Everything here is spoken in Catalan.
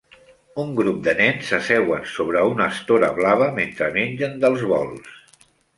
Un grup de nens s'asseuen sobre una estora blava mentre mengen dels bols.